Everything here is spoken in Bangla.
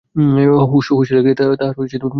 হস্টেলে গিয়া তাহার পরিচয় পাইয়াছিলাম।